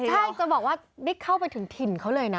ใช่จะบอกว่าได้เข้าไปถึงถิ่นเขาเลยนะ